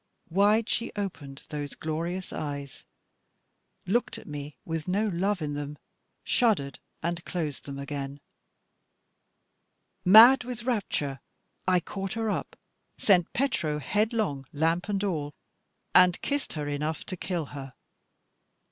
Wide she opened those glorious eyes, looked at me with no love in them, shuddered, and closed them again. Mad with rapture, I caught her up, sent Petro headlong lamp and all, and kissed her enough to kill her.